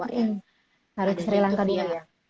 harus di sri lanka dulu ya